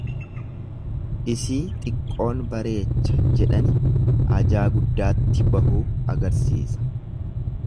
Isii xiqqoon bareecha jedhani ajaa guddaatti bahuu agarsiisa.